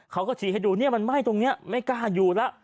เขาก็ชี้ให้ดูเนี่ยมันไหม้ตรงนี้ไม่กล้าอยู่แล้ว